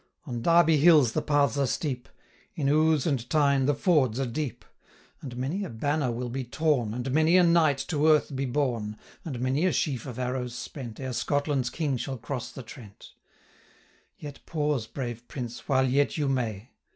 On Derby Hills the paths are steep; In Ouse and Tyne the fords are deep; And many a banner will be torn, And many a knight to earth be borne, 495 And many a sheaf of arrows spent, Ere Scotland's King shall cross the Trent: Yet pause, brave Prince, while yet you may!'